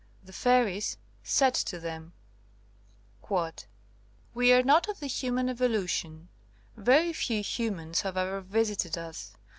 The fairies said to them: *'We are not of the human evolution. Very few humans have ever visited us.